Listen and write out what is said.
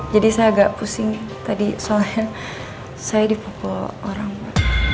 jadi saya agak pusing tadi soalnya saya dipukul orang pak